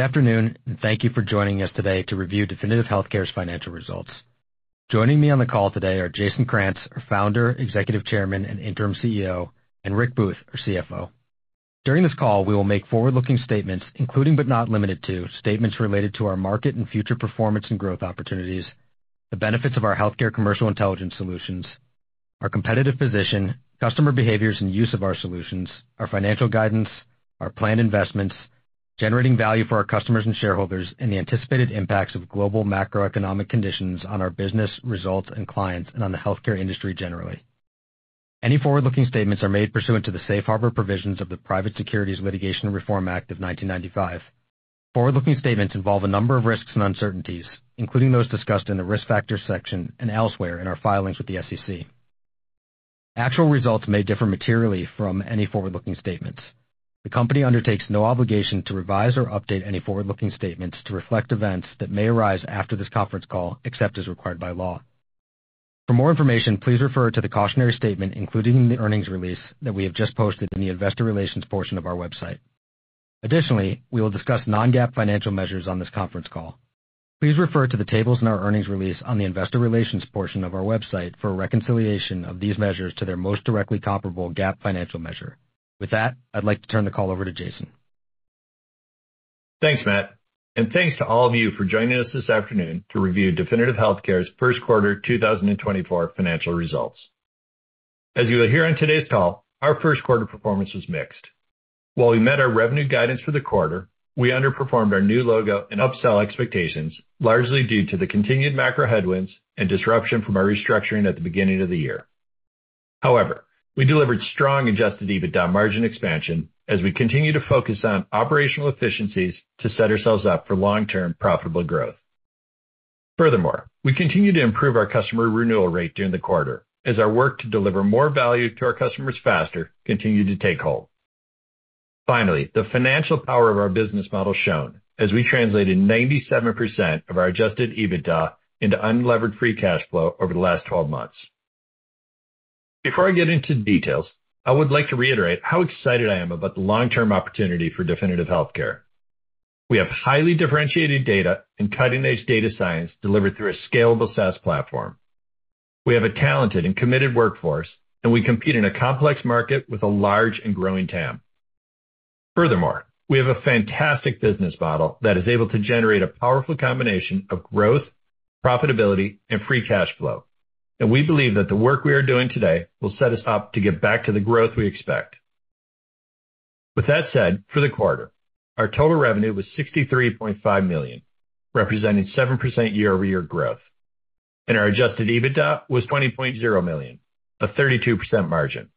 Good afternoon, and thank you for joining us today to review Definitive Healthcare's financial results. Joining me on the call today are Jason Krantz, our Founder, Executive Chairman, and Interim CEO, and Rick Booth, our CFO. During this call, we will make forward-looking statements, including, but not limited to, statements related to our market and future performance and growth opportunities, the benefits of our healthcare commercial intelligence solutions, our competitive position, customer behaviors, and use of our solutions, our financial guidance, our planned investments, generating value for our customers and shareholders, and the anticipated impacts of global macroeconomic conditions on our business results and clients, and on the healthcare industry generally. Any forward-looking statements are made pursuant to the Safe Harbor Provisions of the Private Securities Litigation Reform Act of 1995. Forward-looking statements involve a number of risks and uncertainties, including those discussed in the Risk Factors section and elsewhere in our filings with the SEC. Actual results may differ materially from any forward-looking statements. The company undertakes no obligation to revise or update any forward-looking statements to reflect events that may arise after this conference call, except as required by law. For more information, please refer to the cautionary statement, including the earnings release that we have just posted in the investor relations portion of our website. Additionally, we will discuss non-GAAP financial measures on this conference call. Please refer to the tables in our earnings release on the investor relations portion of our website for a reconciliation of these measures to their most directly comparable GAAP financial measure. With that, I'd like to turn the call over to Jason. Thanks, Matt, and thanks to all of you for joining us this afternoon to review Definitive Healthcare's first quarter 2024 financial results. As you will hear on today's call, our first quarter performance was mixed. While we met our revenue guidance for the quarter, we underperformed our new logo and upsell expectations, largely due to the continued macro headwinds and disruption from our restructuring at the beginning of the year. However, we delivered strong adjusted EBITDA margin expansion as we continue to focus on operational efficiencies to set ourselves up for long-term profitable growth. Furthermore, we continue to improve our customer renewal rate during the quarter as our work to deliver more value to our customers faster continued to take hold. Finally, the financial power of our business model shone, as we translated 97% of our Adjusted EBITDA into unlevered free cash flow over the last 12 months. Before I get into the details, I would like to reiterate how excited I am about the long-term opportunity for Definitive Healthcare. We have highly differentiated data and cutting-edge data science delivered through a scalable SaaS platform. We have a talented and committed workforce, and we compete in a complex market with a large and growing TAM. Furthermore, we have a fantastic business model that is able to generate a powerful combination of growth, profitability, and free cash flow, and we believe that the work we are doing today will set us up to get back to the growth we expect. With that said, for the quarter, our total revenue was $63.5 million, representing 7% year-over-year growth, and our adjusted EBITDA was $20.0 million, a 32% margin.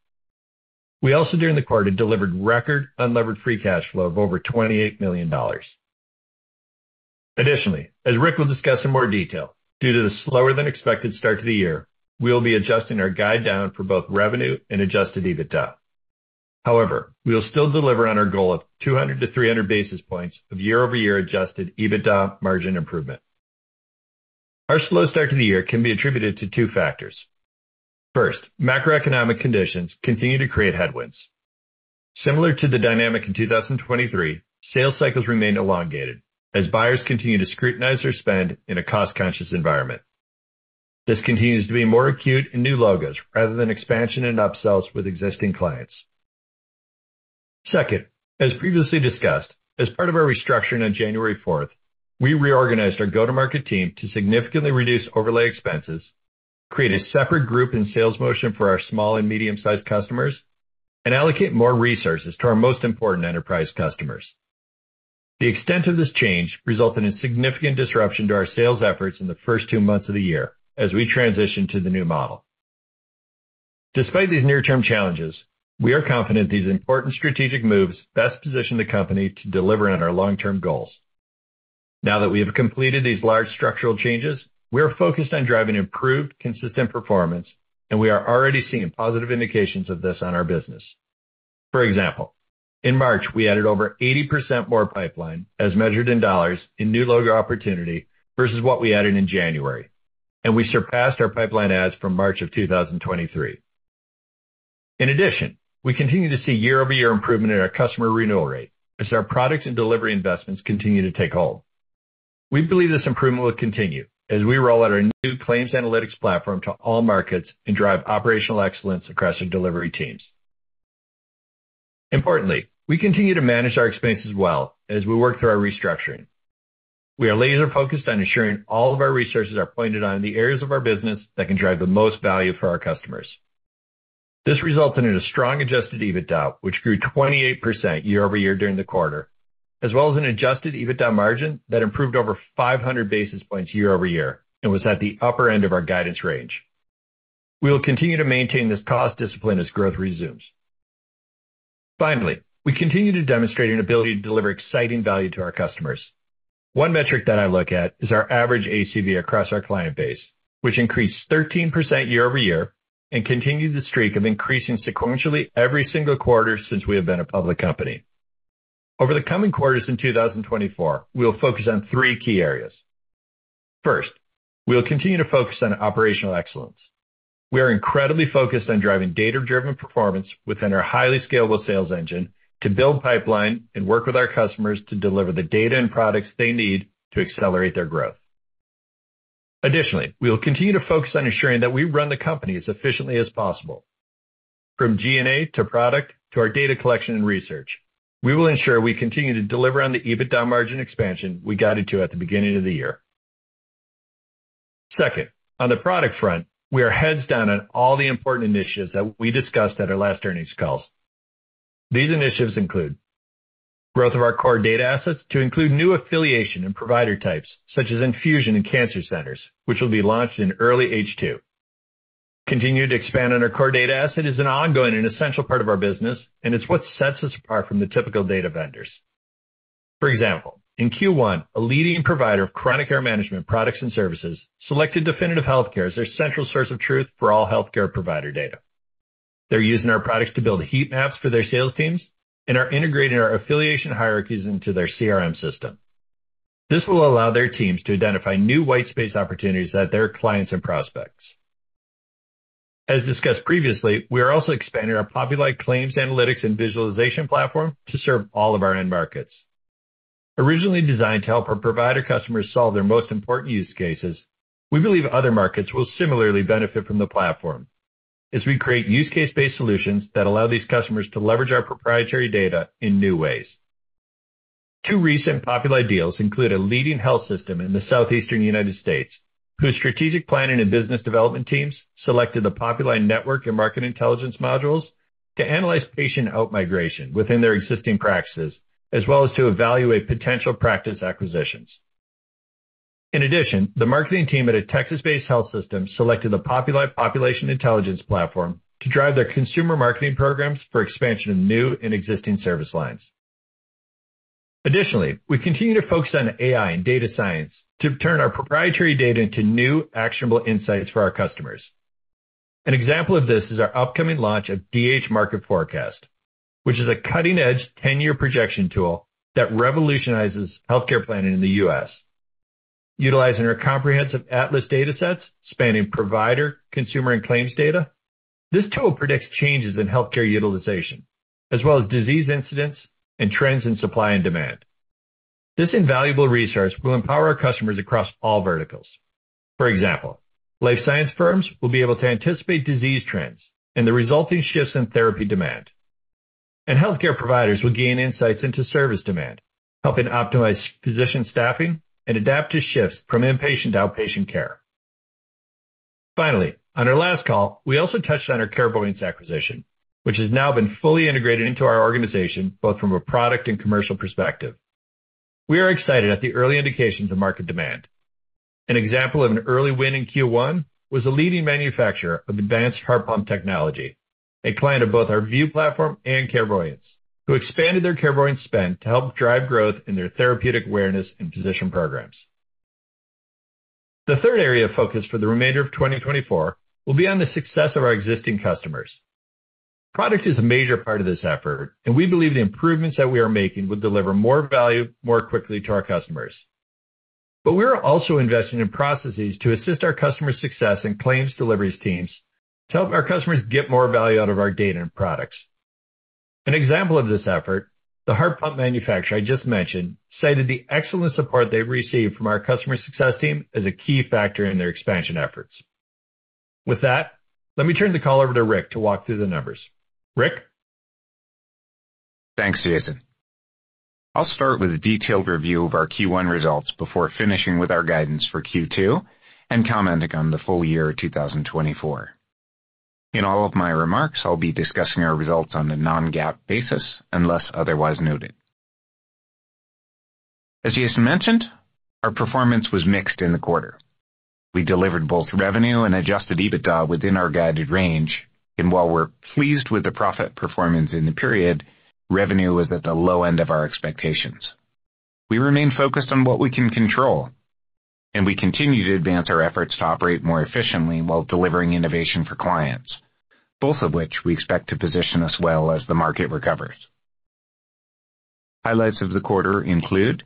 We also, during the quarter, delivered record unlevered free cash flow of over $28 million. Additionally, as Rick will discuss in more detail, due to the slower-than-expected start to the year, we will be adjusting our guide down for both revenue and adjusted EBITDA. However, we will still deliver on our goal of 200-300 basis points of year-over-year adjusted EBITDA margin improvement. Our slow start to the year can be attributed to two factors: First, macroeconomic conditions continue to create headwinds. Similar to the dynamic in 2023, sales cycles remained elongated as buyers continued to scrutinize their spend in a cost-conscious environment. This continues to be more acute in new logos rather than expansion and upsells with existing clients. Second, as previously discussed, as part of our restructuring on January fourth, we reorganized our go-to-market team to significantly reduce overlay expenses, create a separate group and sales motion for our small and medium-sized customers, and allocate more resources to our most important enterprise customers. The extent of this change resulted in significant disruption to our sales efforts in the first two months of the year as we transitioned to the new model. Despite these near-term challenges, we are confident these important strategic moves best position the company to deliver on our long-term goals. Now that we have completed these large structural changes, we are focused on driving improved, consistent performance, and we are already seeing positive indications of this on our business. For example, in March, we added over 80% more pipeline, as measured in dollars, in new logo opportunity versus what we added in January, and we surpassed our pipeline adds from March of 2023. In addition, we continue to see year-over-year improvement in our customer renewal rate as our products and delivery investments continue to take hold. We believe this improvement will continue as we roll out our new claims analytics platform to all markets and drive operational excellence across our delivery teams. Importantly, we continue to manage our expenses well as we work through our restructuring. We are laser-focused on ensuring all of our resources are pointed on the areas of our business that can drive the most value for our customers. This resulted in a strong Adjusted EBITDA, which grew 28% year-over-year during the quarter, as well as an Adjusted EBITDA margin that improved over 500 basis points year-over-year and was at the upper end of our guidance range. We will continue to maintain this cost discipline as growth resumes. Finally, we continue to demonstrate an ability to deliver exciting value to our customers. One metric that I look at is our average ACV across our client base, which increased 13% year-over-year and continued the streak of increasing sequentially every single quarter since we have been a public company. Over the coming quarters in 2024, we will focus on three key areas:... First, we'll continue to focus on operational excellence. We are incredibly focused on driving data-driven performance within our highly scalable sales engine to build pipeline and work with our customers to deliver the data and products they need to accelerate their growth. Additionally, we will continue to focus on ensuring that we run the company as efficiently as possible, from G&A to product to our data collection and research. We will ensure we continue to deliver on the EBITDA margin expansion we guided to at the beginning of the year. Second, on the product front, we are heads down on all the important initiatives that we discussed at our last earnings calls. These initiatives include growth of our core data assets to include new affiliation and provider types, such as infusion and cancer centers, which will be launched in early H2. Continuing to expand on our core data asset is an ongoing and essential part of our business, and it's what sets us apart from the typical data vendors. For example, in Q1, a leading provider of chronic care management products and services selected Definitive Healthcare as their central source of truth for all healthcare provider data. They're using our products to build heat maps for their sales teams and are integrating our affiliation hierarchies into their CRM system. This will allow their teams to identify new white space opportunities at their clients and prospects. As discussed previously, we are also expanding our Populi Claims Analytics and visualization platform to serve all of our end markets. Originally designed to help our provider customers solve their most important use cases, we believe other markets will similarly benefit from the platform as we create use case-based solutions that allow these customers to leverage our proprietary data in new ways. Two recent Populi deals include a leading health system in the southeastern United States, whose strategic planning and business development teams selected the Populi network and market intelligence modules to analyze patient outmigration within their existing practices, as well as to evaluate potential practice acquisitions. In addition, the marketing team at a Texas-based health system selected the Populi Population Intelligence platform to drive their consumer marketing programs for expansion of new and existing service lines. Additionally, we continue to focus on AI and data science to turn our proprietary data into new, actionable insights for our customers. An example of this is our upcoming launch of DH Market Forecast, which is a cutting-edge 10-year projection tool that revolutionizes healthcare planning in the U.S. Utilizing our comprehensive Atlas Dataset, spanning provider, consumer, and claims data, this tool predicts changes in healthcare utilization, as well as disease incidents and trends in supply and demand. This invaluable resource will empower our customers across all verticals. For example, life science firms will be able to anticipate disease trends and the resulting shifts in therapy demand. And healthcare providers will gain insights into service demand, helping optimize physician staffing and adapt to shifts from inpatient to outpatient care. Finally, on our last call, we also touched on our Carevoyance acquisition, which has now been fully integrated into our organization, both from a product and commercial perspective. We are excited at the early indications of market demand. An example of an early win in Q1 was a leading manufacturer of advanced heart pump technology, a client of both our View platform and Carevoyance, who expanded their Carevoyance spend to help drive growth in their therapeutic awareness and physician programs. The third area of focus for the remainder of 2024 will be on the success of our existing customers. Product is a major part of this effort, and we believe the improvements that we are making will deliver more value more quickly to our customers. But we are also investing in processes to assist our customer success and claims deliveries teams to help our customers get more value out of our data and products. An example of this effort, the heart pump manufacturer I just mentioned, cited the excellent support they received from our customer success team as a key factor in their expansion efforts. With that, let me turn the call over to Rick to walk through the numbers. Rick? Thanks, Jason. I'll start with a detailed review of our Q1 results before finishing with our guidance for Q2 and commenting on the full year of 2024. In all of my remarks, I'll be discussing our results on a non-GAAP basis, unless otherwise noted. As Jason mentioned, our performance was mixed in the quarter. We delivered both revenue and Adjusted EBITDA within our guided range, and while we're pleased with the profit performance in the period, revenue was at the low end of our expectations. We remain focused on what we can control, and we continue to advance our efforts to operate more efficiently while delivering innovation for clients, both of which we expect to position us well as the market recovers. Highlights of the quarter include: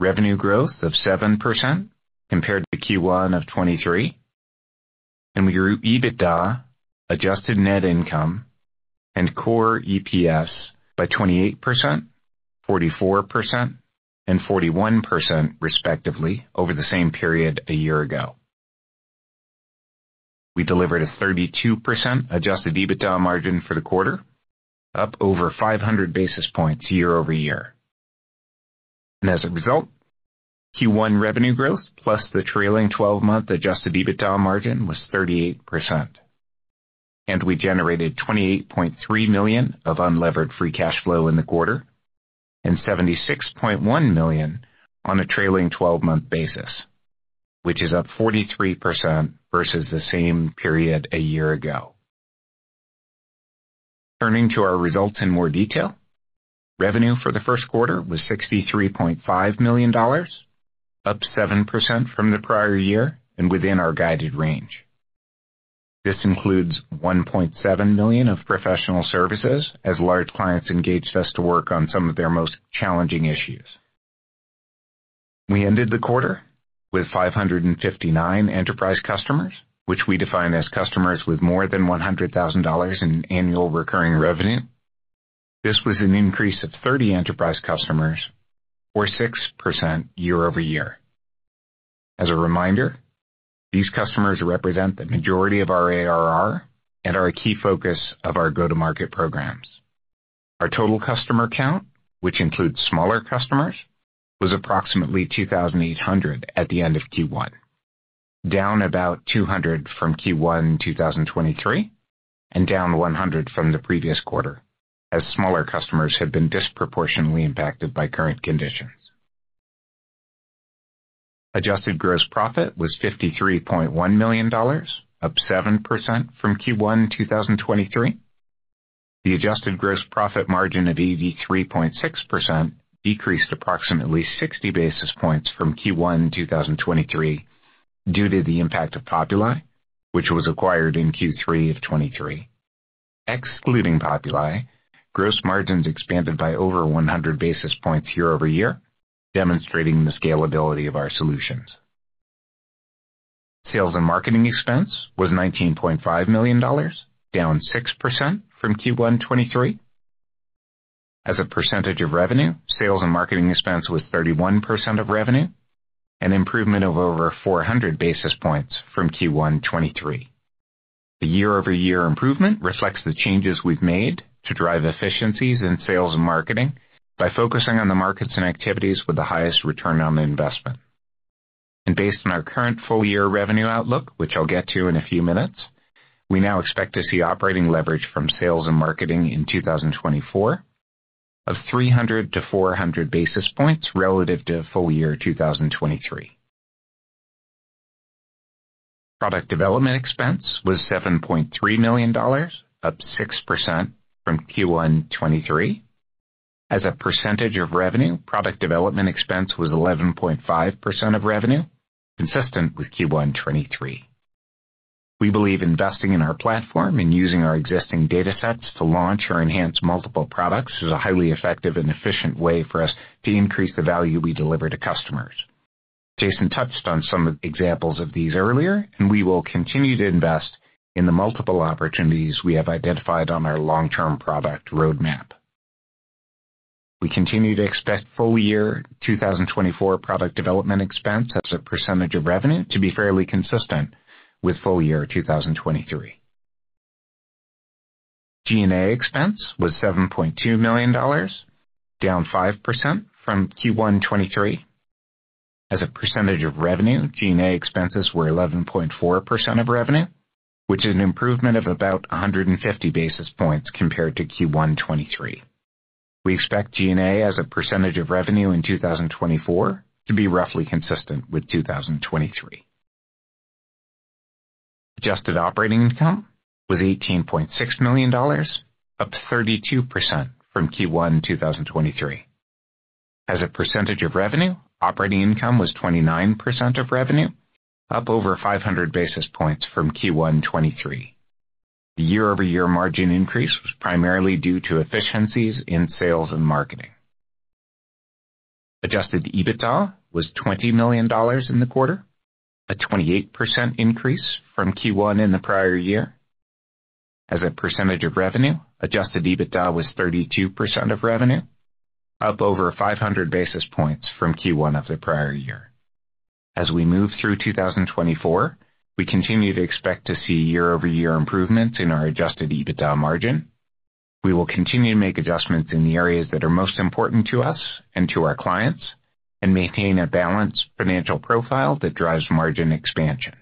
revenue growth of 7% compared to Q1 of 2023, and we grew EBITDA, adjusted net income, and core EPS by 28%, 44%, and 41%, respectively, over the same period a year ago. We delivered a 32% adjusted EBITDA margin for the quarter, up over 500 basis points year-over-year. As a result, Q1 revenue growth, plus the trailing twelve-month adjusted EBITDA margin, was 38%, and we generated $28.3 million of unlevered free cash flow in the quarter and $76.1 million on a trailing twelve-month basis, which is up 43% versus the same period a year ago. Turning to our results in more detail, revenue for the first quarter was $63.5 million, up 7% from the prior year and within our guided range. This includes $1.7 million of professional services, as large clients engaged us to work on some of their most challenging issues. We ended the quarter with 559 enterprise customers, which we define as customers with more than $100,000 in annual recurring revenue. This was an increase of 30 enterprise customers or 6% year-over-year. As a reminder, these customers represent the majority of our ARR and are a key focus of our go-to-market programs. Our total customer count, which includes smaller customers, was approximately 2,800 at the end of Q1, down about 200 from Q1 2023, and down 100 from the previous quarter, as smaller customers have been disproportionately impacted by current conditions. Adjusted gross profit was $53.1 million, up 7% from Q1 2023. The adjusted gross profit margin of 83.6% decreased approximately 60 basis points from Q1 2023 due to the impact of Populi, which was acquired in Q3 of 2023. Excluding Populi, gross margins expanded by over 100 basis points year-over-year, demonstrating the scalability of our solutions. Sales and marketing expense was $19.5 million, down 6% from Q1 2023. As a percentage of revenue, sales and marketing expense was 31% of revenue, an improvement of over 400 basis points from Q1 2023. The year-over-year improvement reflects the changes we've made to drive efficiencies in sales and marketing by focusing on the markets and activities with the highest return on the investment. Based on our current full year revenue outlook, which I'll get to in a few minutes, we now expect to see operating leverage from sales and marketing in 2024 of 300-400 basis points relative to full year 2023. Product development expense was $7.3 million, up 6% from Q1 2023. As a percentage of revenue, product development expense was 11.5% of revenue, consistent with Q1 2023. We believe investing in our platform and using our existing data sets to launch or enhance multiple products is a highly effective and efficient way for us to increase the value we deliver to customers. Jason touched on some examples of these earlier, and we will continue to invest in the multiple opportunities we have identified on our long-term product roadmap. We continue to expect full year 2024 product development expense as a percentage of revenue to be fairly consistent with full year 2023. G&A expense was $7.2 million, down 5% from Q1 2023. As a percentage of revenue, G&A expenses were 11.4% of revenue, which is an improvement of about 150 basis points compared to Q1 2023. We expect G&A as a percentage of revenue in 2024 to be roughly consistent with 2023. Adjusted operating income was $18.6 million, up 32% from Q1 2023. As a percentage of revenue, operating income was 29% of revenue, up over 500 basis points from Q1 2023. The year-over-year margin increase was primarily due to efficiencies in sales and marketing. Adjusted EBITDA was $20 million in the quarter, a 28% increase from Q1 in the prior year. As a percentage of revenue, adjusted EBITDA was 32% of revenue, up over 500 basis points from Q1 of the prior year. As we move through 2024, we continue to expect to see year-over-year improvements in our adjusted EBITDA margin. We will continue to make adjustments in the areas that are most important to us and to our clients and maintain a balanced financial profile that drives margin expansion.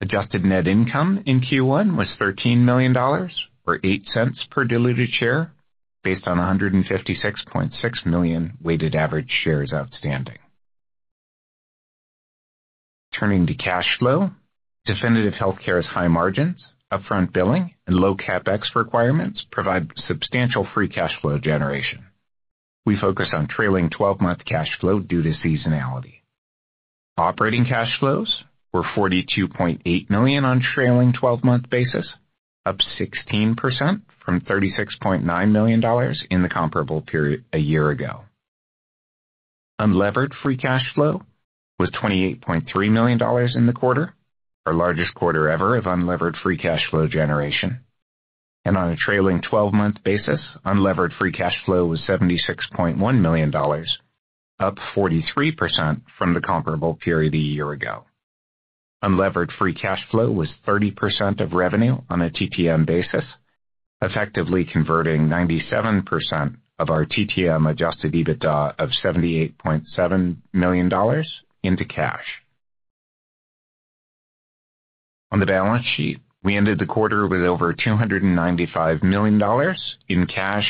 Adjusted net income in Q1 was $13 million, or $0.08 per diluted share, based on 156.6 million weighted average shares outstanding. Turning to cash flow, Definitive Healthcare's high margins, upfront billing, and low CapEx requirements provide substantial free cash flow generation. We focus on trailing twelve-month cash flow due to seasonality. Operating cash flows were $42.8 million on a trailing twelve-month basis, up 16% from $36.9 million in the comparable period a year ago. Unlevered free cash flow was $28.3 million in the quarter, our largest quarter ever of unlevered free cash flow generation. On a trailing-twelve month basis, unlevered free cash flow was $76.1 million, up 43% from the comparable period a year ago. Unlevered free cash flow was 30% of revenue on a TTM basis, effectively converting 97% of our TTM adjusted EBITDA of $78.7 million into cash. On the balance sheet, we ended the quarter with over $295 million in cash,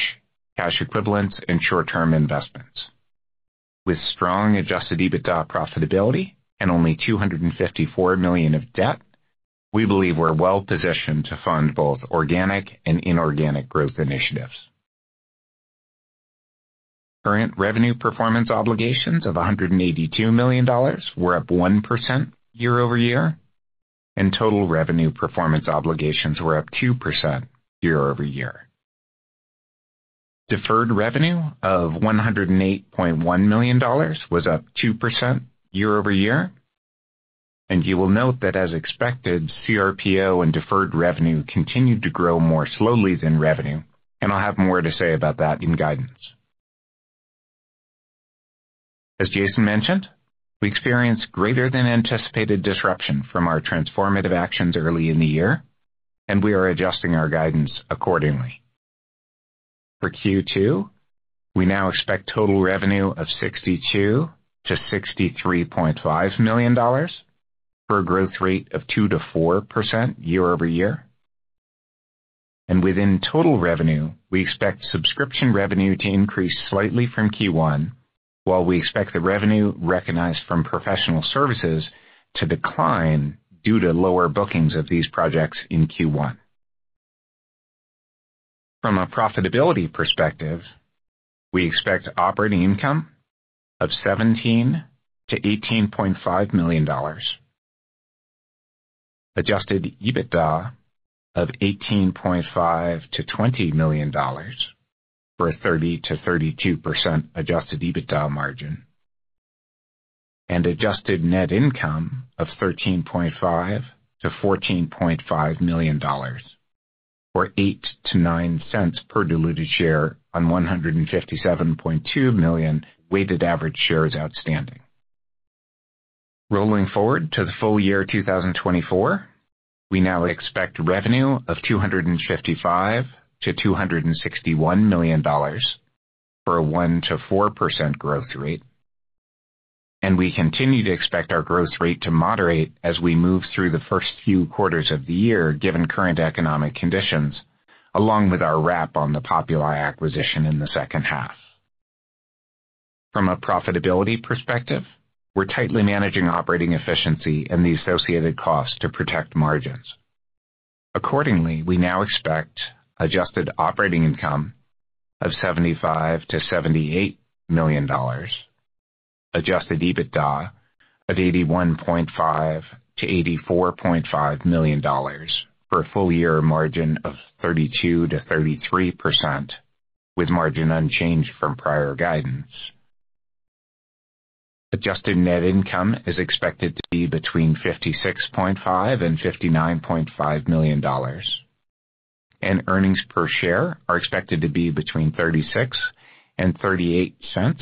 cash equivalents, and short-term investments. With strong adjusted EBITDA profitability and only $254 million of debt, we believe we're well positioned to fund both organic and inorganic growth initiatives. Current revenue performance obligations of $182 million were up 1% year-over-year, and total revenue performance obligations were up 2% year-over-year. Deferred revenue of $108.1 million was up 2% year-over-year, and you will note that as expected, CRPO and deferred revenue continued to grow more slowly than revenue, and I'll have more to say about that in guidance. As Jason mentioned, we experienced greater than anticipated disruption from our transformative actions early in the year, and we are adjusting our guidance accordingly. For Q2, we now expect total revenue of $62 million-$63.5 million, for a growth rate of 2%-4% year-over-year. Within total revenue, we expect subscription revenue to increase slightly from Q1, while we expect the revenue recognized from professional services to decline due to lower bookings of these projects in Q1. From a profitability perspective, we expect operating income of $17 million-$18.5 million, adjusted EBITDA of $18.5 million-$20 million, for a 30%-32% adjusted EBITDA margin, and adjusted net income of $13.5 million-$14.5 million, or $0.08-$0.09 per diluted share on 157.2 million weighted average shares outstanding. Rolling forward to the full year 2024, we now expect revenue of $255 million-$261 million for a 1%-4% growth rate. We continue to expect our growth rate to moderate as we move through the first few quarters of the year, given current economic conditions, along with our wrap on the Populi acquisition in the second half. From a profitability perspective, we're tightly managing operating efficiency and the associated costs to protect margins. Accordingly, we now expect adjusted operating income of $75 million-$78 million, adjusted EBITDA of $81.5 million-$84.5 million, for a full year margin of 32%-33%, with margin unchanged from prior guidance. Adjusted net income is expected to be between $56.5 million and $59.5 million, and earnings per share are expected to be between $0.36 and $0.38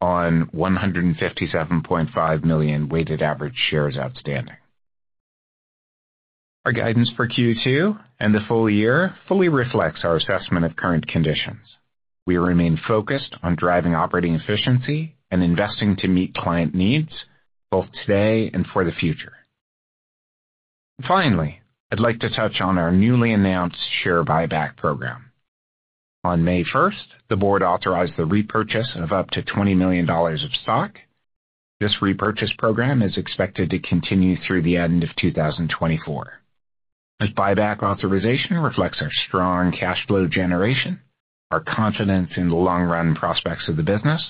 on 157.5 million weighted average shares outstanding. Our guidance for Q2 and the full year fully reflects our assessment of current conditions. We remain focused on driving operating efficiency and investing to meet client needs, both today and for the future. Finally, I'd like to touch on our newly announced share buyback program. On May first, the board authorized the repurchase of up to $20 million of stock. This repurchase program is expected to continue through the end of 2024. This buyback authorization reflects our strong cash flow generation, our confidence in the long-run prospects of the business,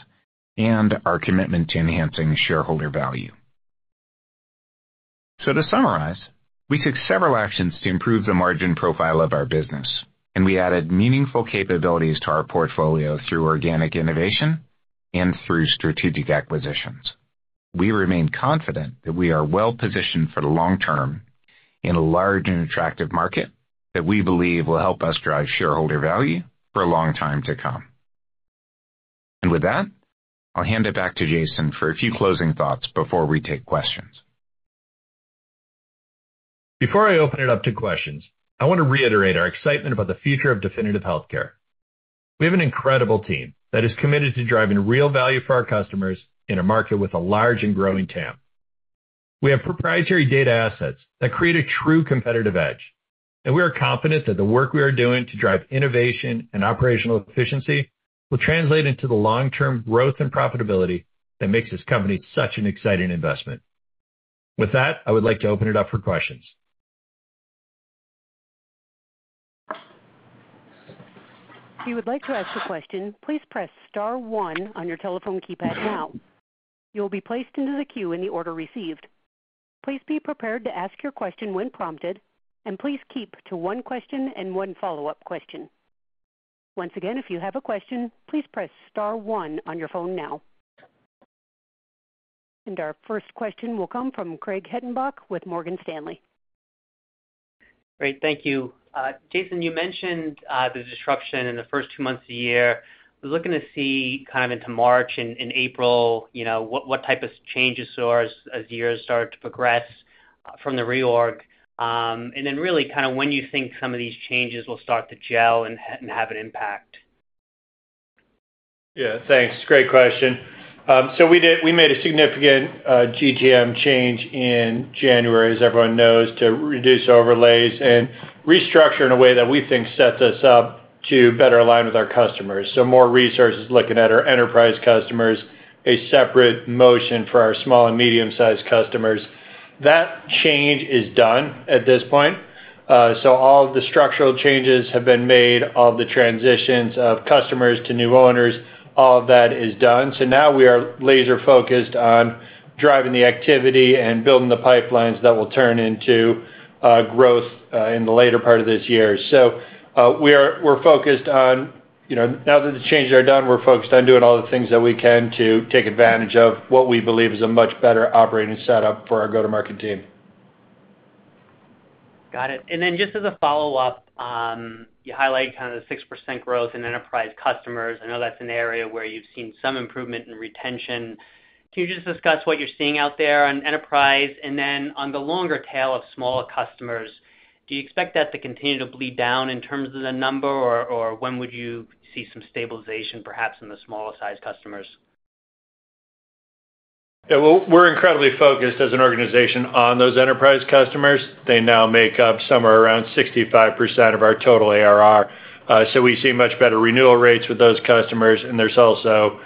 and our commitment to enhancing shareholder value. So to summarize, we took several actions to improve the margin profile of our business, and we added meaningful capabilities to our portfolio through organic innovation and through strategic acquisitions. We remain confident that we are well positioned for the long term in a large and attractive market that we believe will help us drive shareholder value for a long time to come. With that, I'll hand it back to Jason for a few closing thoughts before we take questions. Before I open it up to questions, I want to reiterate our excitement about the future of Definitive Healthcare. We have an incredible team that is committed to driving real value for our customers in a market with a large and growing TAM. We have proprietary data assets that create a true competitive edge, and we are confident that the work we are doing to drive innovation and operational efficiency will translate into the long-term growth and profitability that makes this company such an exciting investment. With that, I would like to open it up for questions. If you would like to ask a question, please press star one on your telephone keypad now. You will be placed into the queue in the order received. Please be prepared to ask your question when prompted, and please keep to one question and one follow-up question. Once again, if you have a question, please press star one on your phone now. Our first question will come from Craig Hettenbach with Morgan Stanley. Great, thank you. Jason, you mentioned the disruption in the first two months of the year. We're looking to see kind of into March and April, you know, what type of changes you saw as the year started to progress from the reorg? And then really kind of when you think some of these changes will start to gel and have an impact. Yeah, thanks. Great question. So we made a significant GTM change in January, as everyone knows, to reduce overlays and restructure in a way that we think sets us up to better align with our customers. So more resources looking at our enterprise customers, a separate motion for our small and medium-sized customers. That change is done at this point. So all the structural changes have been made, all the transitions of customers to new owners, all of that is done. So now we are laser focused on driving the activity and building the pipelines that will turn into growth in the later part of this year. So we're focused on, you know, now that the changes are done, we're focused on doing all the things that we can to take advantage of what we believe is a much better operating setup for our go-to-market team. Got it. And then just as a follow-up, you highlight kind of the 6% growth in enterprise customers. I know that's an area where you've seen some improvement in retention. Can you just discuss what you're seeing out there on enterprise? And then on the longer tail of smaller customers, do you expect that to continue to bleed down in terms of the number, or when would you see some stabilization, perhaps in the smaller-sized customers? Yeah, well, we're incredibly focused as an organization on those enterprise customers. They now make up somewhere around 65% of our total ARR. So we see much better renewal rates with those customers, and there's also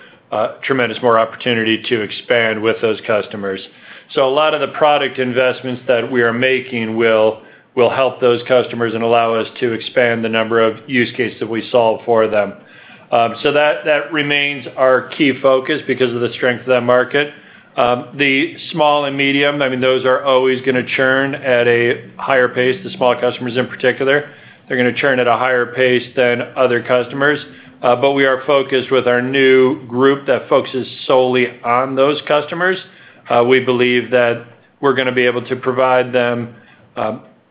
tremendous more opportunity to expand with those customers. So a lot of the product investments that we are making will help those customers and allow us to expand the number of use cases that we solve for them. So that remains our key focus because of the strength of that market. The small and medium, I mean, those are always gonna churn at a higher pace, the small customers in particular. They're gonna churn at a higher pace than other customers, but we are focused with our new group that focuses solely on those customers. We believe that we're gonna be able to provide them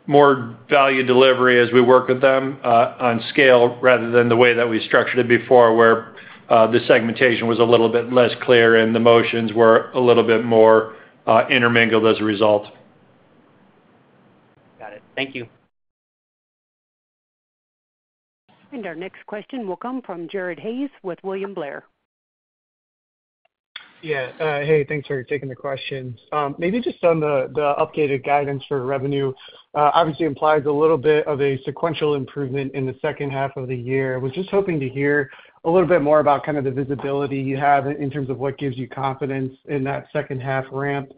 more value delivery as we work with them on scale, rather than the way that we structured it before, where the segmentation was a little bit less clear and the motions were a little bit more intermingled as a result. Got it. Thank you. Our next question will come from Jared Haase with William Blair. Yeah. Hey, thanks for taking the questions. Maybe just on the updated guidance for revenue, obviously implies a little bit of a sequential improvement in the second half of the year. I was just hoping to hear a little bit more about kind of the visibility you have in terms of what gives you confidence in that second half ramp,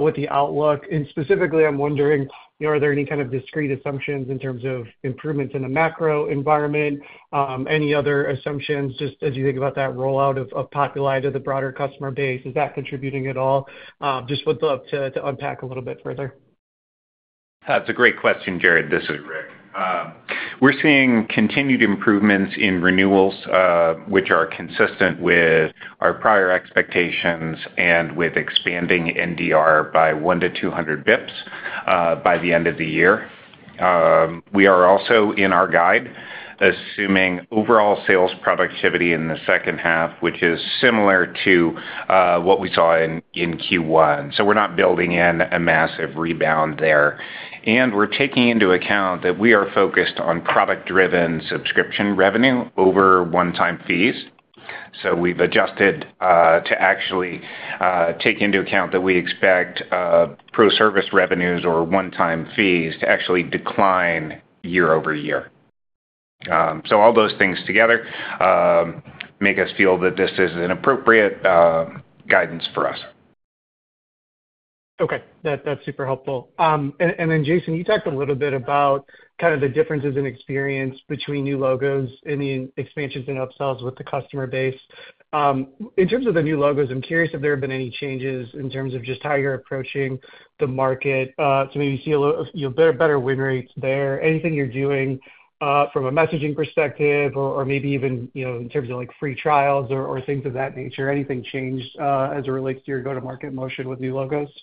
with the outlook. And specifically, I'm wondering, you know, are there any kind of discrete assumptions in terms of improvements in the macro environment? Any other assumptions, just as you think about that rollout of Populi to the broader customer base, is that contributing at all? Just would love to unpack a little bit further. That's a great question, Jared. This is Rick. We're seeing continued improvements in renewals, which are consistent with our prior expectations and with expanding NDR by 100-200 basis points, by the end of the year. We are also in our guide, assuming overall sales productivity in the second half, which is similar to what we saw in Q1, so we're not building in a massive rebound there. And we're taking into account that we are focused on product-driven subscription revenue over one-time fees. So we've adjusted to actually take into account that we expect pro service revenues or one-time fees to actually decline year-over-year. So all those things together make us feel that this is an appropriate guidance for us. Okay. That's super helpful. And then, Jason, you talked a little bit about kind of the differences in experience between new logos and the expansions and upsells with the customer base. In terms of the new logos, I'm curious if there have been any changes in terms of just how you're approaching the market, so maybe you see a little, you know, better win rates there. Anything you're doing from a messaging perspective or maybe even, you know, in terms of, like, free trials or things of that nature, anything changed as it relates to your go-to-market motion with new logos? Yeah,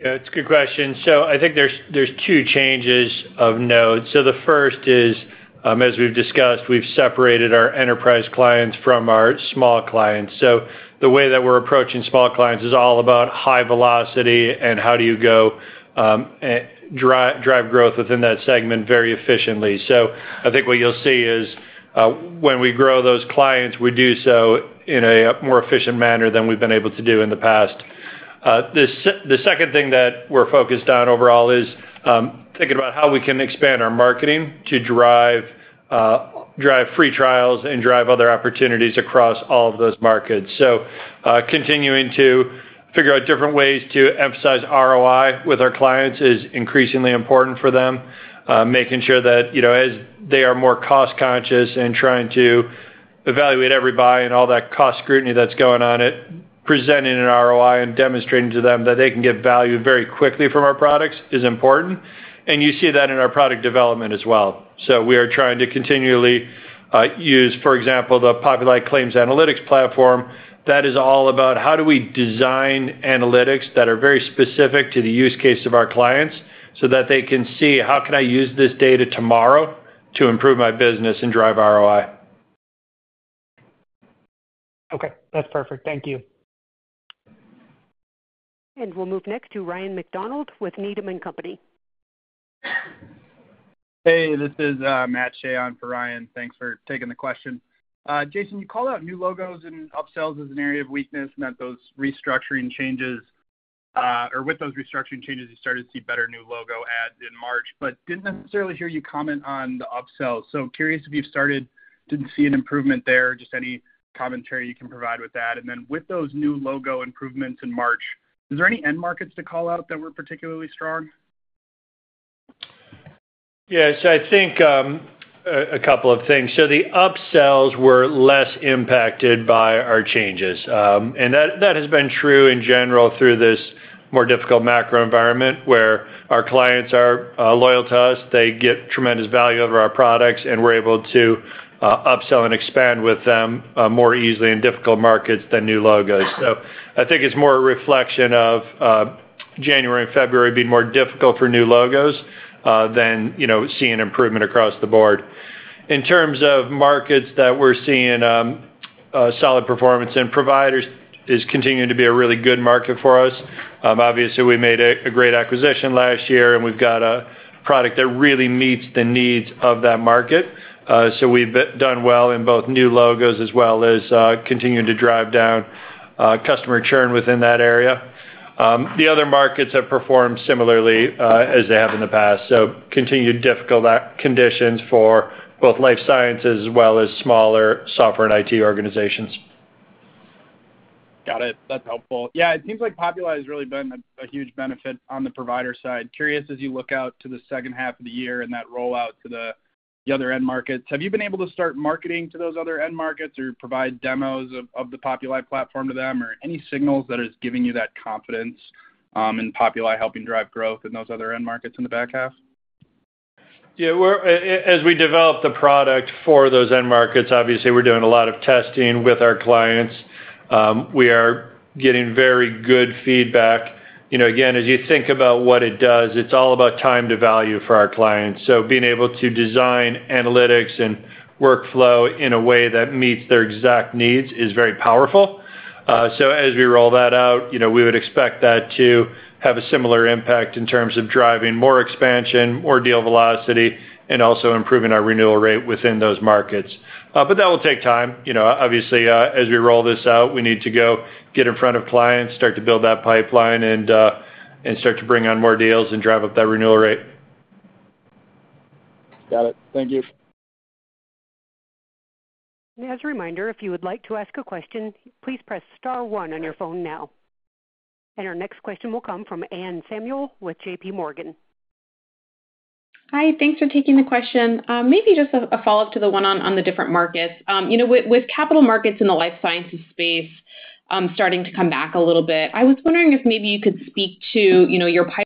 it's a good question. So I think there's two changes of note. So the first is, as we've discussed, we've separated our enterprise clients from our small clients. So the way that we're approaching small clients is all about high velocity and how do you go and drive growth within that segment very efficiently. So I think what you'll see is, when we grow those clients, we do so in a more efficient manner than we've been able to do in the past. The second thing that we're focused on overall is, thinking about how we can expand our marketing to drive free trials and drive other opportunities across all of those markets. So, continuing to figure out different ways to emphasize ROI with our clients is increasingly important for them. Making sure that, you know, as they are more cost conscious and trying to evaluate every buy and all that cost scrutiny that's going on, presenting an ROI and demonstrating to them that they can get value very quickly from our products is important, and you see that in our product development as well. So we are trying to continually use, for example, the Populi Claims Analytics platform. That is all about how do we design analytics that are very specific to the use case of our clients, so that they can see, how can I use this data tomorrow to improve my business and drive ROI? Okay, that's perfect. Thank you. We'll move next to Ryan MacDonald with Needham and Company. Hey, this is, Matt Shea for Ryan. Thanks for taking the question. Jason, you called out new logos and upsells as an area of weakness, and that those restructuring changes, or with those restructuring changes, you started to see better new logo adds in March, but didn't necessarily hear you comment on the upsells. So I'm curious if you've started to see an improvement there, just any commentary you can provide with that. And then with those new logo improvements in March, is there any end markets to call out that were particularly strong? Yes, I think a couple of things. So the upsells were less impacted by our changes. And that has been true in general through this more difficult macro environment where our clients are loyal to us. They get tremendous value over our products, and we're able to upsell and expand with them more easily in difficult markets than new logos. So I think it's more a reflection of January and February being more difficult for new logos than you know seeing improvement across the board. In terms of markets that we're seeing, solid performance in providers is continuing to be a really good market for us. Obviously, we made a great acquisition last year, and we've got a product that really meets the needs of that market. So we've done well in both new logos as well as continuing to drive down customer churn within that area. The other markets have performed similarly as they have in the past, so continued difficult conditions for both life sciences as well as smaller software and IT organizations. Got it. That's helpful. Yeah, it seems like Populi has really been a huge benefit on the provider side. Curious, as you look out to the second half of the year and that rollout to the other end markets, have you been able to start marketing to those other end markets or provide demos of the Populi platform to them, or any signals that is giving you that confidence in Populi helping drive growth in those other end markets in the back half? Yeah, we're as we develop the product for those end markets, obviously, we're doing a lot of testing with our clients. We are getting very good feedback. You know, again, as you think about what it does, it's all about time to value for our clients. So being able to design analytics and workflow in a way that meets their exact needs is very powerful. So as we roll that out, you know, we would expect that to have a similar impact in terms of driving more expansion, more deal velocity, and also improving our renewal rate within those markets. But that will take time. You know, obviously, as we roll this out, we need to go get in front of clients, start to build that pipeline, and start to bring on more deals and drive up that renewal rate. Got it. Thank you. As a reminder, if you would like to ask a question, please press star one on your phone now. Our next question will come from Anne Samuel with JPMorgan. Hi, thanks for taking the question. Maybe just a follow-up to the one on the different markets. You know, with capital markets in the life sciences space starting to come back a little bit, I was wondering if maybe you could speak to, you know, your pipeline,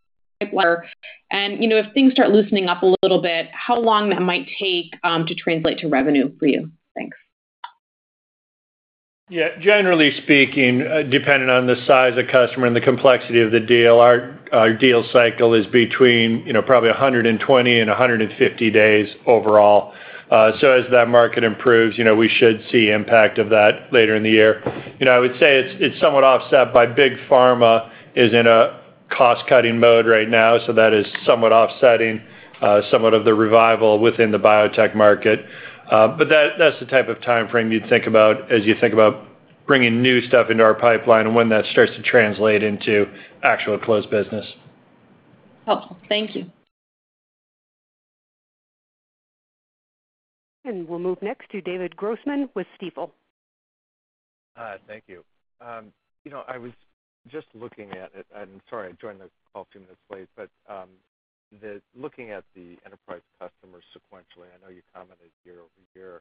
and, you know, if things start loosening up a little bit, how long that might take to translate to revenue for you? Thanks. Yeah, generally speaking, depending on the size of customer and the complexity of the deal, our, our deal cycle is between, you know, probably 120 and 150 days overall. So as that market improves, you know, we should see impact of that later in the year. You know, I would say it's, it's somewhat offset by big pharma is in a cost-cutting mode right now, so that is somewhat offsetting, somewhat of the revival within the biotech market. But that, that's the type of timeframe you'd think about as you think about bringing new stuff into our pipeline and when that starts to translate into actual closed business. Helpful. Thank you. We'll move next to David Grossman with Stifel. Thank you. You know, I was just looking at it. I'm sorry, I joined the call a few minutes late, but looking at the enterprise customers sequentially, I know you commented year-over-year.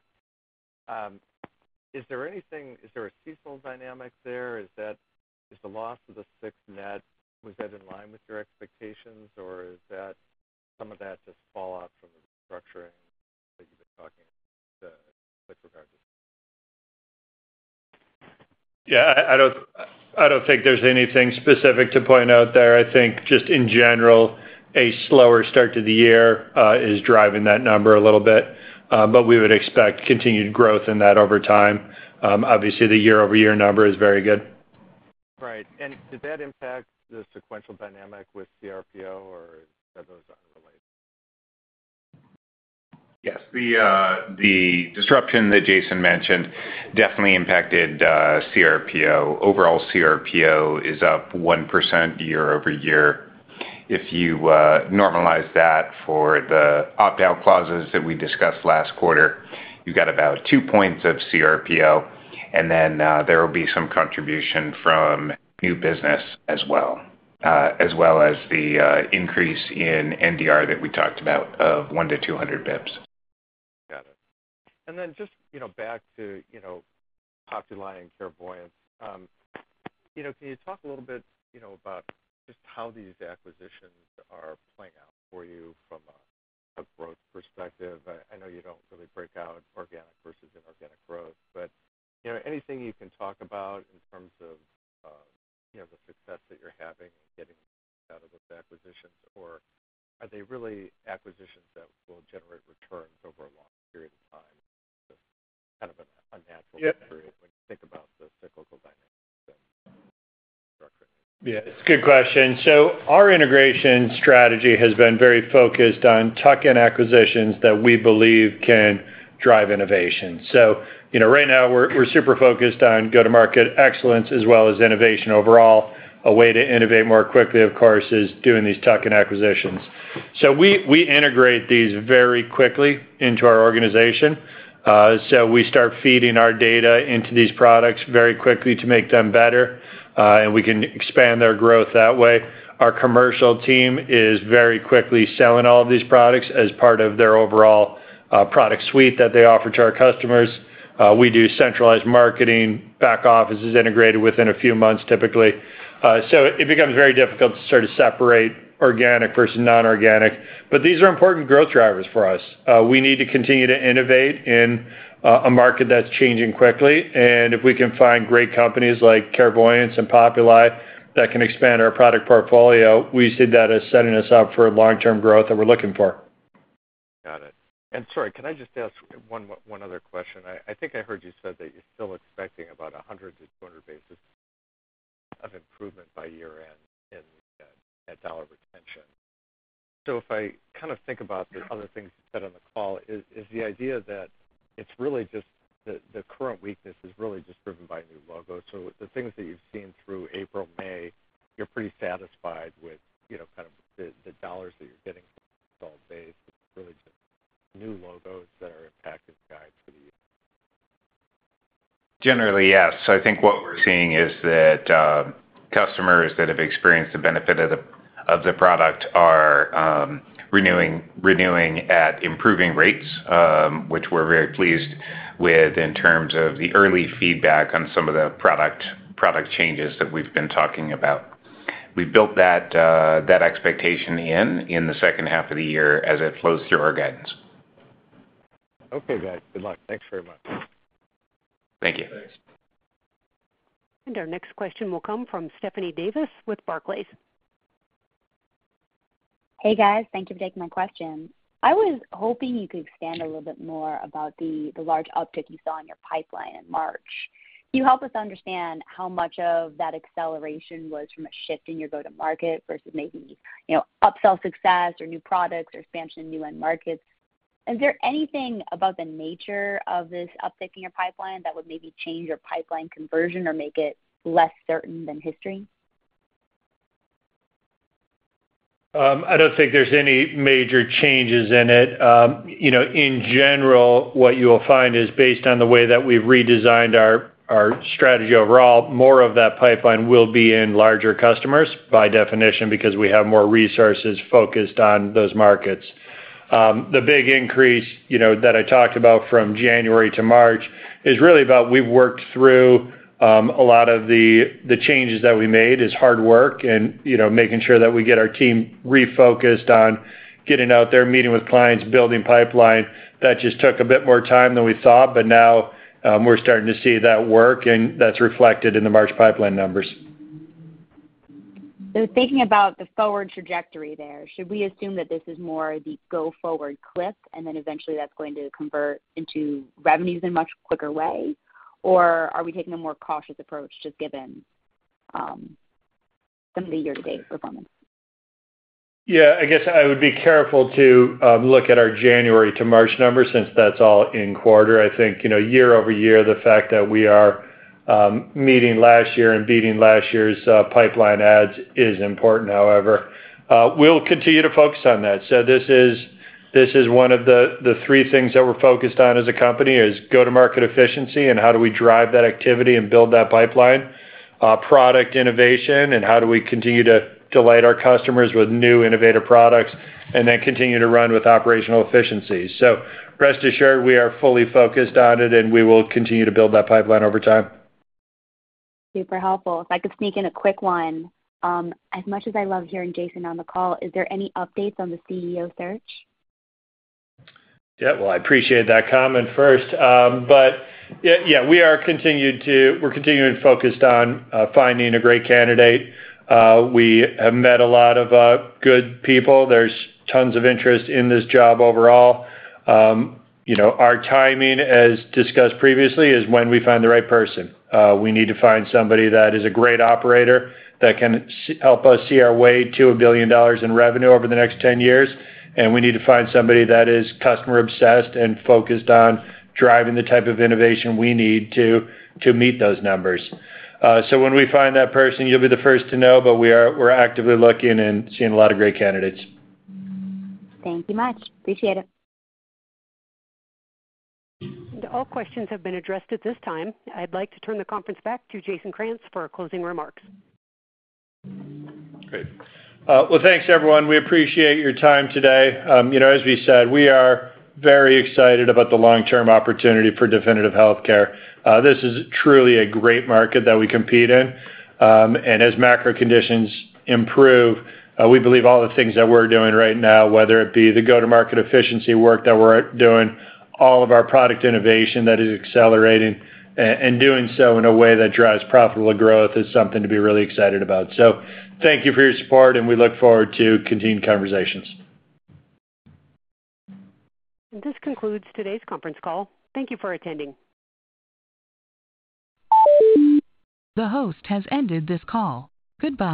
Is there anything – is there a seasonal dynamic there? Is that, is the loss of the sixth net, was that in line with your expectations, or is that, some of that just fallout from the restructuring that you've been talking about with regard to? Yeah, I don't think there's anything specific to point out there. I think just in general, a slower start to the year is driving that number a little bit. But we would expect continued growth in that over time. Obviously, the year-over-year number is very good. Right. And did that impact the sequential dynamic with CRPO, or are those unrelated? Yes. The disruption that Jason mentioned definitely impacted CRPO. Overall, CRPO is up 1% year-over-year. If you normalize that for the opt-out clauses that we discussed last quarter, you got about two points of CRPO, and then there will be some contribution from new business as well, as well as the increase in NDR that we talked about of 1-200 BPS. Got it. And then just, you know, back to, you know, Populi and Carevoyance. You know, can you talk a little bit, you know, about just how these acquisitions are playing out for you from a growth perspective? I know you don't really break out organic versus inorganic growth, but, you know, anything you can talk about in terms of, you know, the success that you're having in getting out of those acquisitions, or are they really acquisitions that will generate returns over a long period of time? Just kind of a natural when you think about the cyclical dynamics then. Yeah, it's a good question. So our integration strategy has been very focused on tuck-in acquisitions that we believe can drive innovation. So you know, right now, we're super focused on go-to-market excellence as well as innovation overall. A way to innovate more quickly, of course, is doing these tuck-in acquisitions. So we integrate these very quickly into our organization. So we start feeding our data into these products very quickly to make them better, and we can expand their growth that way. Our commercial team is very quickly selling all of these products as part of their overall product suite that they offer to our customers. We do centralized marketing. Back office is integrated within a few months, typically. So it becomes very difficult to sort of separate organic versus nonorganic, but these are important growth drivers for us. We need to continue to innovate in a market that's changing quickly, and if we can find great companies like Carevoyance and Populi that can expand our product portfolio, we see that as setting us up for a long-term growth that we're looking for. Got it. And sorry, can I just ask one other question? I think I heard you said that you're still expecting about 100-200 basis points of improvement by year-end in net dollar retention. So if I kind of think about the other things you said on the call, is the idea that it's really just the current weakness is really just driven by new logos? So the things that you've seen through April, May, you're pretty satisfied with, you know, kind of the dollars that you're getting from the installed base. It's really just new logos that are impacting guidance for the year. Generally, yes. So I think what we're seeing is that, customers that have experienced the benefit of the, of the product are, renewing, renewing at improving rates, which we're very pleased with in terms of the early feedback on some of the product, product changes that we've been talking about. We've built that, that expectation in, the second half of the year as it flows through our guidance. Okay, guys. Good luck. Thanks very much. Thank you. Thanks. And our next question will come from Stephanie Davis with Barclays. Hey, guys. Thank you for taking my question. I was hoping you could expand a little bit more about the large uptick you saw in your pipeline in March. Can you help us understand how much of that acceleration was from a shift in your go-to-market versus maybe, you know, upsell success or new products or expansion in new end markets? Is there anything about the nature of this uptick in your pipeline that would maybe change your pipeline conversion or make it less certain than history? I don't think there's any major changes in it. You know, in general, what you'll find is based on the way that we've redesigned our, our strategy overall, more of that pipeline will be in larger customers, by definition, because we have more resources focused on those markets. The big increase, you know, that I talked about from January to March, is really about we've worked through, a lot of the, the changes that we made is hard work and, you know, making sure that we get our team refocused on getting out there, meeting with clients, building pipeline. That just took a bit more time than we thought, but now, we're starting to see that work, and that's reflected in the March pipeline numbers. So thinking about the forward trajectory there, should we assume that this is more the go-forward clip, and then eventually that's going to convert into revenues in a much quicker way? Or are we taking a more cautious approach, just given some of the year-to-date performance? Yeah, I guess I would be careful to look at our January to March numbers, since that's all in quarter. I think, you know, year-over-year, the fact that we are meeting last year and beating last year's pipeline adds is important. However, we'll continue to focus on that. So this is one of the three things that we're focused on as a company is go-to-market efficiency and how do we drive that activity and build that pipeline? Product innovation, and how do we continue to delight our customers with new innovative products? And then continue to run with operational efficiency. So rest assured, we are fully focused on it, and we will continue to build that pipeline over time. Super helpful. If I could sneak in a quick one. As much as I love hearing Jason on the call, is there any updates on the CEO search? Yeah, well, I appreciate that comment first. But yeah, yeah, we're continuing focused on finding a great candidate. We have met a lot of good people. There's tons of interest in this job overall. You know, our timing, as discussed previously, is when we find the right person. We need to find somebody that is a great operator, that can help us see our way to $1 billion in revenue over the next 10 years, and we need to find somebody that is customer-obsessed and focused on driving the type of innovation we need to meet those numbers. So when we find that person, you'll be the first to know, but we're actively looking and seeing a lot of great candidates. Thank you much. Appreciate it. All questions have been addressed at this time. I'd like to turn the conference back to Jason Krantz for closing remarks. Great. Well, thanks, everyone. We appreciate your time today. You know, as we said, we are very excited about the long-term opportunity for Definitive Healthcare. This is truly a great market that we compete in. And as macro conditions improve, we believe all the things that we're doing right now, whether it be the go-to-market efficiency work that we're doing, all of our product innovation that is accelerating, and doing so in a way that drives profitable growth, is something to be really excited about. So thank you for your support, and we look forward to continued conversations. This concludes today's conference call. Thank you for attending. The host has ended this call. Goodbye.